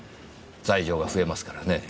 罪状が増えますからね。